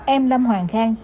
em lâm hoàng khang